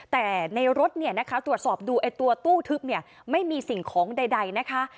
แต่ในรถเนี่ยนะคะตรวจสอบดูตัวตู้ทึบเนี่ยไม่มีสิ่งของใดนะคะ